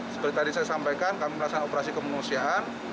seperti tadi saya sampaikan kami melaksanakan operasi kemanusiaan